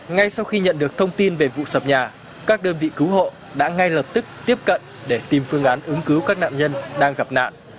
ngay sau khi nhận được thông tin về vụ sập nhà các đơn vị cứu hộ đã ngay lập tức tiếp cận để tìm phương án ứng cứu các nạn nhân đang gặp nạn